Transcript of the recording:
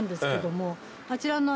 あちらの。